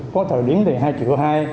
có thời điểm thì hai triệu hai